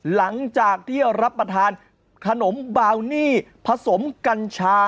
หลังจากที่รับประทานขนมบาวนี่ผสมกัญชา